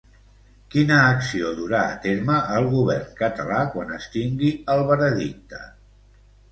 Quina acció durà a terme el govern català quan es tingui el veredicte?